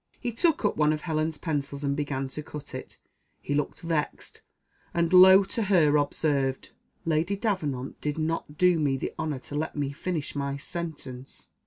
He took up one of Helen's pencils and began to cut it he looked vexed, and low to her observed, "Lady Davenant did not do me the honour to let me finish my sentence."